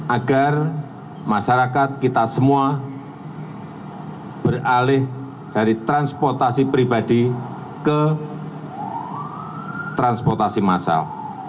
agar masyarakat kita semua beralih dari transportasi pribadi ke transportasi massal